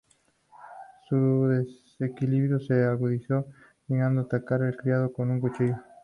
Su desequilibrio se agudizó, llegando a atacar a un criado con un cuchillo.